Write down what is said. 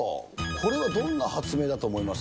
これはどんな発明だと思います？